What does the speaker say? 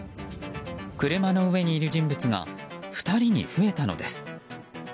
車の上にいる人物が２人に増えたのです。